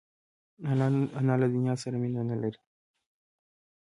انا له دنیا سره مینه نه لري